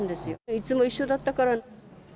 いつも一緒だったから。